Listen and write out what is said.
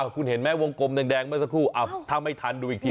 คุณเห็นไหมวงกลมแดงเมื่อสักครู่ถ้าไม่ทันดูอีกที